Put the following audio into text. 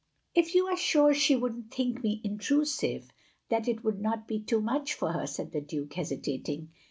" "If you are sure she would n't think me in trusive — that it would not be too much for her, " said the Duke, hesitating.